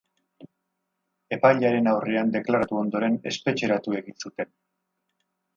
Epailearen aurrean deklaratu ondoren, espetxeratu egin zuten.